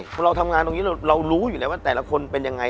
อุทัล้าง๗๓เราทำงานตรงนี้เรารู้หรือแล้วแล้วว่าแต่ละคนเป็นยังไง